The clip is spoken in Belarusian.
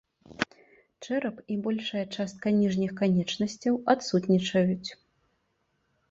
Чэрап і большая частка ніжніх канечнасцяў адсутнічаюць.